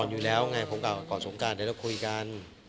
อยู่แล้วไงผมกลับก่อนสงการเดี๋ยวเราคุยกัน